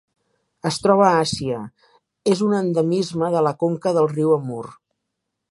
Es troba a Àsia: és un endemisme de la conca del riu Amur.